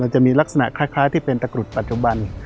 จะมีลักษณะคล้ายที่เป็นตะกรุดปัจจุบัน